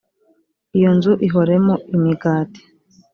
iyo nzu ihoremo imigati